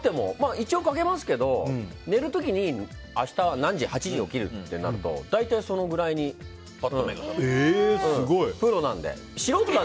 一応かけますけど寝る時に明日は８時に起きるってなると大体そのぐらいに目が覚める。